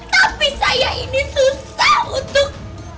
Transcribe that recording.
tapi saya ini susah untuk